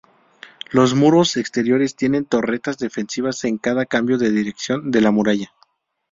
Los muros exteriores tienen torretas defensivas en cada cambio de dirección de la muralla.